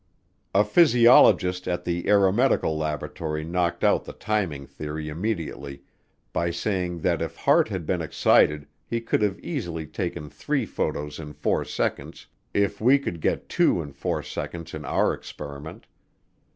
A physiologist at the Aeromedical Laboratory knocked out the timing theory immediately by saying that if Hart had been excited he could have easily taken three photos in four seconds if we could get two in four seconds in our experiment.